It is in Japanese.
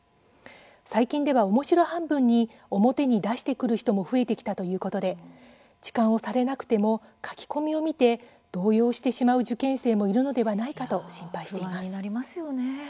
最近では、おもしろ半分に表に出してくる人も増えてきたということで痴漢をされなくても書き込みを見て動揺してしまう受験生もいるのではないかと不安になりますよね。